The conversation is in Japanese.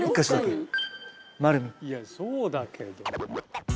いやそうだけど。